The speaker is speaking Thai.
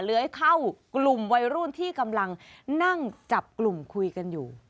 เลื้อยเข้ากลุ่มวัยรุ่นที่กำลังนั่งจับกลุ่มคุยกันอยู่